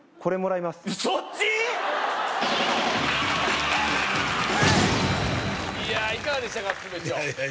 いやいかがでしたか？